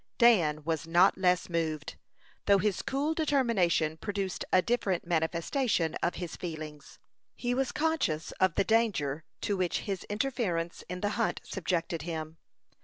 Dan was not less moved, though his cool determination produced a different manifestation of his feelings. He was conscious of the danger to which his interference in the hunt subjected him.